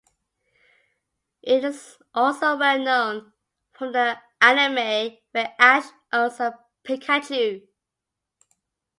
It is also well known from the anime, where Ash owns a Pikachu.